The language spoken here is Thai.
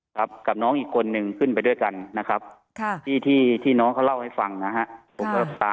กับน้องอีกคนนึงขึ้นไปด้วยกันนะครับที่ที่น้องเขาเล่าให้ฟังนะฮะ